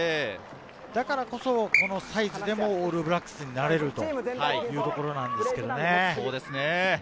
だからこそ、このサイズでもオールブラックスになれるということなんですけれどね。